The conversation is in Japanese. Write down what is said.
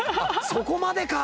そこまでか！